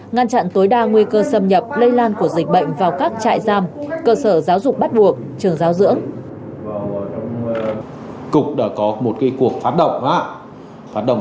ngăn chặn tối đa nguy cơ xâm nhập lây lan của dịch bệnh vào các trại giam cơ sở giáo dục bắt buộc trường giáo dưỡng